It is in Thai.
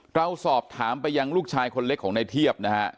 เราสอบถามไปยังลูกชายคนเล็กของในเทียบนะฮะ